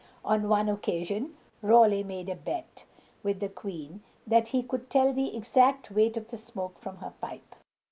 On one occasion Raleigh made a bet with the queen that he could tell the exact weight of the smoke from her pipe.